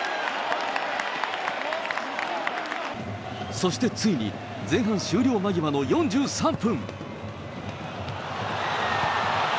そしてついに、前半終了間際の４３分。